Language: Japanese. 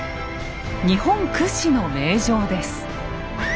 日本屈指の名城です。